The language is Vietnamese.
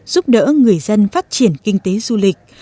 giúp đỡ người dân phát triển kinh tế du lịch